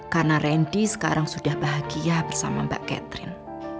karena rendy sekarang sudah bahagia bersama mbak catherine